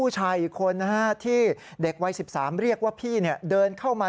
จะต่อคิวรุมโซเข้ามา